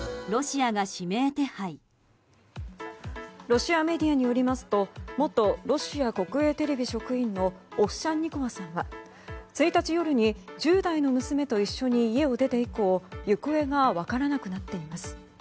ロシアメディアによりますと元ロシア国営テレビ職員のオフシャンニコワさんは１日夜に１０代の娘と一緒に家を出て以降行方が分からなくなっています。